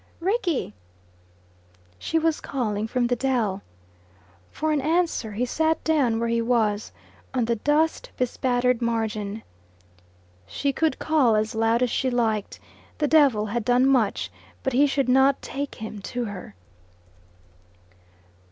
"Rickie!" She was calling from the dell. For an answer he sat down where he was, on the dust bespattered margin. She could call as loud as she liked. The devil had done much, but he should not take him to her.